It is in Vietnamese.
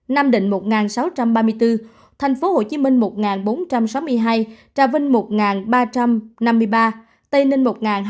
nam định một sáu trăm ba mươi bốn thành phố hồ chí minh một bốn trăm sáu mươi hai trà vinh một ba trăm năm mươi ba tây ninh một hai trăm sáu mươi sáu